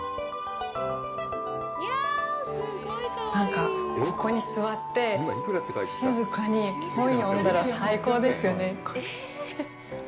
なんか、ここに座って静かに本読んだら最高ですよね。